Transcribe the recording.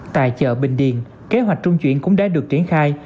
tại chợ bình điền kế hoạch trung chuyển cũng đã được triển khai